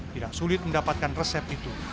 tidak sulit mendapatkan resep itu